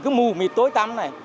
cứ mù mịt tối tăm này